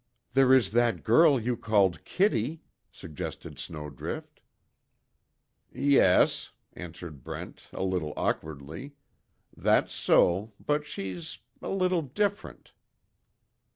"There is that girl you called Kitty," suggested Snowdrift. "Yes " answered Brent, a little awkwardly, "That's so. But, she's a little different."